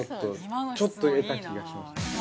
◆ちょっと得た気がします。